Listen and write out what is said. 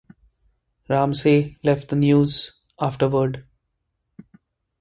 Ramsey left the "News" afterward.